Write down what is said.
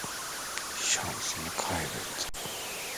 Şansını kaybettin.